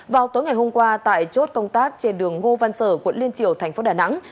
vào tối ngày hôm qua tại chốt công tác trên đường ngô văn sở quận liên triều thành phố đà nẵng